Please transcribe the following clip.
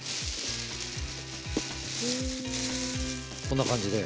こんな感じで。